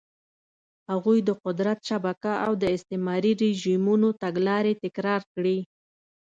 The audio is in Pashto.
هغوی د قدرت شبکه او د استعماري رژیمونو تګلارې تکرار کړې.